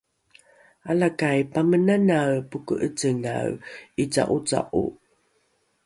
alakai pamenanae poke’ecengae ’ica’oca’o